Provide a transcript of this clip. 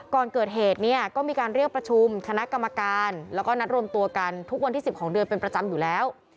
ก่อนเกิดเหตุเนี่ยก็มีการเรียกประชุมคณะกรรมการแล้วก็นัดรวมตัวกันทุกวันที่๑๐ของเดือนเป็นประจำอยู่แล้ว